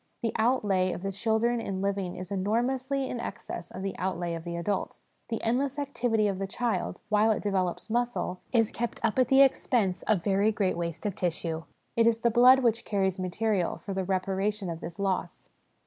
The outlay of the children in living is enormously in excess of the outlay of the adult. The endless activity of the child, while it develops muscle, is kept up at the expense of very great waste of tissue. It is the blood which carries material for the reparation of this loss.